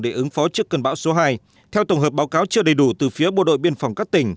để ứng phó trước cơn bão số hai theo tổng hợp báo cáo chưa đầy đủ từ phía bộ đội biên phòng các tỉnh